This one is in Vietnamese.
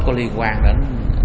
có liên quan đến